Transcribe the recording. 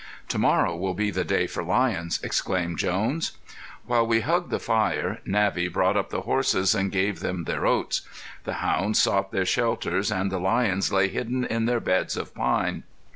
"To morrow will be the day for lions," exclaimed Jones. While we hugged the fire, Navvy brought up the horses and gave them their oats. The hounds sought their shelter and the lions lay hidden in their beds of pine.